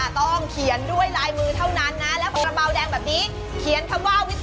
เดี๋ยวรุ้นกันฮาราบาลแรงหรือคันโซมูลสอง